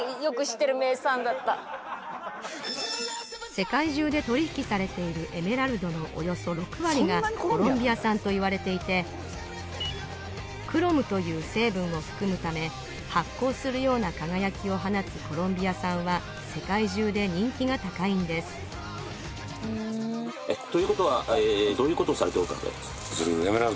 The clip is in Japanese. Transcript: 世界中で取り引きされているエメラルドのおよそ６割がコロンビア産といわれていてクロムという成分を含むため発光するような輝きを放つコロンビア産は世界中で人気が高いんです・ということはどういうことをされている？